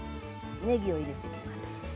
ねぎを入れていきます。